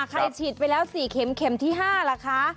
ฉีดไปแล้ว๔เข็มเข็มที่๕ล่ะคะ